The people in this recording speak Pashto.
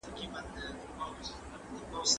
د مېلمنو شور د حجرې له دروازې بهر ته راوتلو.